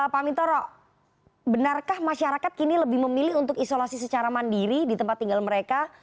pak mintoro benarkah masyarakat kini lebih memilih untuk isolasi secara mandiri di tempat tinggal mereka